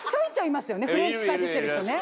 フレンチかじってる人ね。